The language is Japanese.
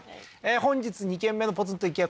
本日２軒目のポツンと一軒家